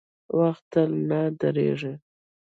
• وخت تل نه درېږي.